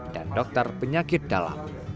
dan dokter penyakit dalam